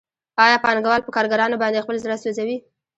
آیا پانګوال په کارګرانو باندې خپل زړه سوځوي